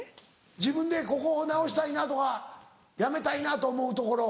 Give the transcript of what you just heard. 自分でここ直したいなとかやめたいなと思うところ。